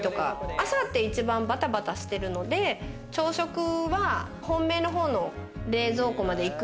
朝って一番バタバタしてるので朝食は本命の方の冷蔵庫まで行く